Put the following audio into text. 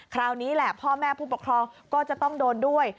คราวนี้แหละพ่อแม่ผู้ปกครองก็จะต้องโดนด้วย